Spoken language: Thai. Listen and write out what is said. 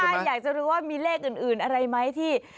ใช่อยากจะรู้ว่ามีเลขอื่นอะไรไหมที่